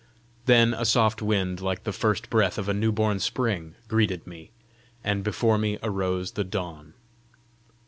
Then a soft wind like the first breath of a new born spring greeted me, and before me arose the dawn.